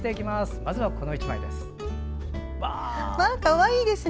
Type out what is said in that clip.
まずはこの１枚です。